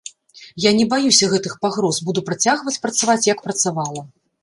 Я не баюся гэтых пагроз, буду працягваць працаваць як працавала.